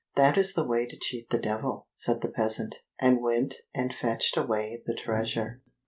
"That is the way to cheat the Devil," said the peasant, and went and fetched away the treasure.